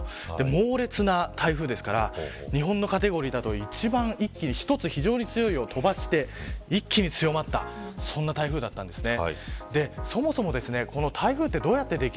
猛烈な台風ですから日本のカテゴリーだと、一番強いを飛ばして非常に強いに一気に迫ったその台風だったんですね。